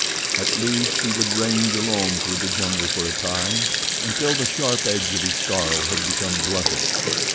At least he would range alone through the jungle for a time, until the sharp edge of his sorrow had become blunted.